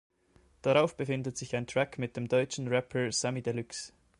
Darauf befindet sich ein Track mit dem deutschen Rapper Samy Deluxe.